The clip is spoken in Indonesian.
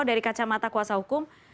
dari kacamata kuasa hukum